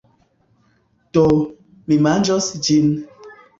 Do. Mi manĝos ĝin.